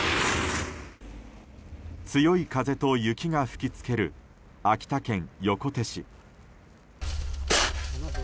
強い風と雪が吹き付ける秋田県横手市。